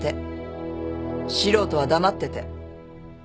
素人は黙ってて。